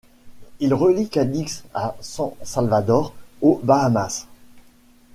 Il relie Cadix à San Salvador, aux Bahamas.